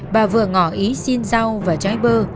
bà vượng ngỏ ý xin rau và trái bơ